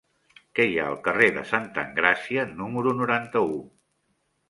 Què hi ha al carrer de Santa Engràcia número noranta-u?